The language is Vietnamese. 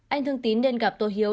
anh thương tín nên gặp tô hiếu